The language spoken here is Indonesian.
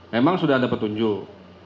memang sudah ada petunjuk